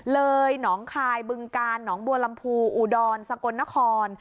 เลยหนองคายบึงกาลหนองบัวลำพูอุดรสกลนคร